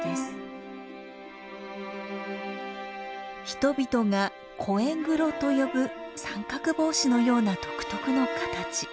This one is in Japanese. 人々がコエグロと呼ぶ三角帽子のような独特の形。